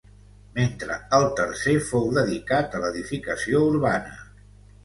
Mentre el tercer fou dedicat a l’edificació urbana.